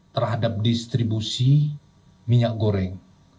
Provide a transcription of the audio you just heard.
terhadap distribusi minyak goreng